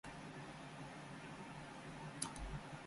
群馬県神流町